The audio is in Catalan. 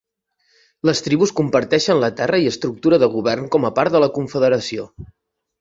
Les tribus comparteixen la terra i estructura de govern com a part de la confederació.